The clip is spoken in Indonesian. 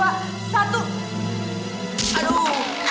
aduh aduh aduh aduh